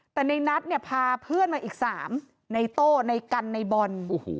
แต่ในนัทพาเพื่อนอีก๓ในโต๊ะในกันในบอล